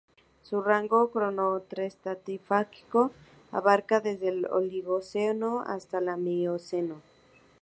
Su rango cronoestratigráfico abarca desde el Oligoceno hasta la Mioceno.